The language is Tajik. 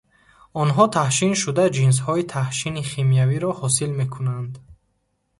Онҳо таҳшин шуда, ҷинсҳои таҳшини химиявиро ҳосил мекунанд.